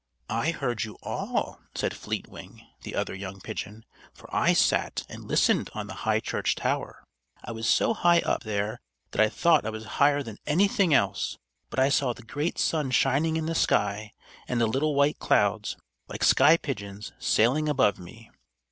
"I heard you all," said Fleet Wing, the other young pigeon; "for I sat and listened on the high church tower. I was so high up, there, that I thought I was higher than anything else; but I saw the great sun shining in the sky, and the little white clouds, like sky pigeons, sailing above me.